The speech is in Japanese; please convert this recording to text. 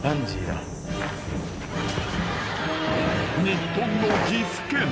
［日本の岐阜県］